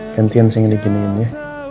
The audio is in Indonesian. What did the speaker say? gantian sih yang diginiin ya